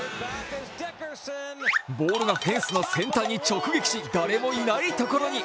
ボールがフェンスの先端に直撃し誰もいないところに。